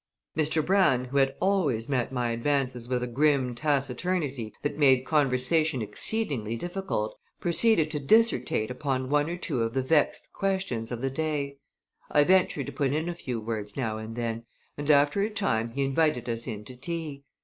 Mr. Brown, who had always met my advances with a grim taciturnity that made conversation exceedingly difficult, proceeded to dissertate upon one or two of the vexed questions of the day. I ventured to put in a few words now and then, and after a time he invited us in to tea.